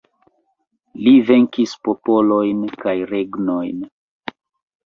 Li venkis popolojn kaj regnojn.